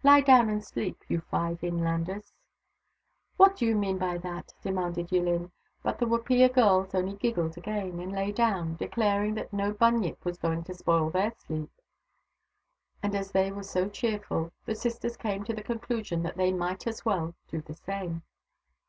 " Lie down and sleep, you five inlanders !"" What do you mean by that ?" demanded Yillin. But the Wapiya girls only giggled again, and lay down, declaring that no Bunyip was going to spoil their sleep. And as they wer j so cheerful, the sisters came to the conclusion thac they might as well do the same.